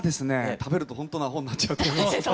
食べるとほんとのアホになっちゃうと思います。